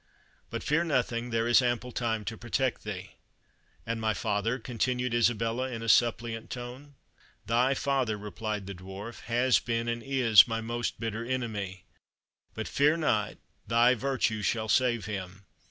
But fear nothing, there is ample time to protect thee." "And my father?" continued Isabella, in a suppliant tone. "Thy father," replied the Dwarf, "has been, and is, my most bitter enemy. But fear not; thy virtue shall save him.